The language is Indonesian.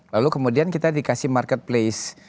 lalu kemudian kita dikasih marketplace